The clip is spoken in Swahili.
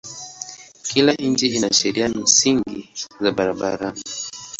Kila nchi ina sheria msingi za barabarani.